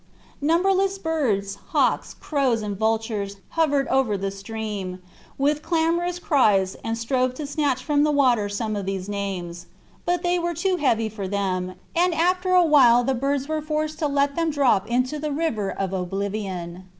Numberless birds, hawks, crows, and vultures hovered over the stream, with clamorous cries, and strove to snatch from the water some of these names; but they were too heavy for them, and after a while the birds were forced to let them drop into the river of oblivion.